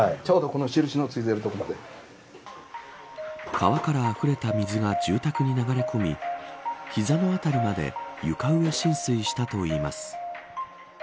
川からあふれた水が住宅に流れ込み膝の辺りまで床上浸水したといいます。